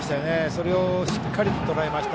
それをしっかりとらえました。